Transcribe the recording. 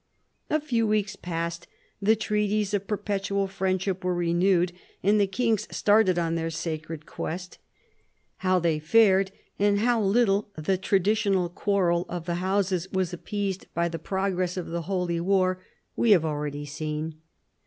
A few weeks passed, the treaties of perpetual friend ship were renewed, and the kings started on their sacred quest. How they fared and how little the traditional quarrel of the houses was appeased by the progress of the Holy War we have already seen.